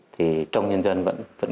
thì trong nhân dân vẫn còn